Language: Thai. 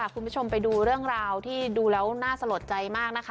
คุณผู้ชมไปดูเรื่องราวที่ดูแล้วน่าสลดใจมากนะคะ